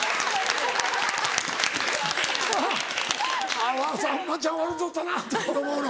「あぁさんまちゃん笑うとったな」と思うの？